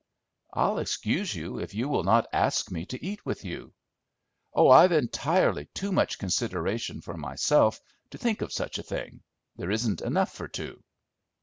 "I'll excuse you if you will not ask me to eat with you." "Oh, I've entirely too much consideration for myself to think of such a thing; there isn't enough for two."